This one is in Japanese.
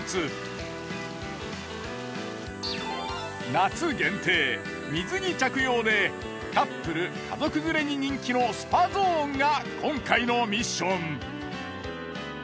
夏限定水着着用でカップル家族連れに人気のスパゾーンが今回のミッション。